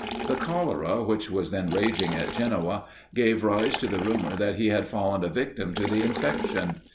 The cholera, which was then raging at Genoa, gave rise to the rumour that he had fallen a victim to the infection.